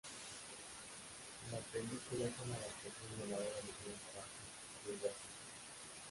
La película es una adaptación de la obra de James Warwick de igual título.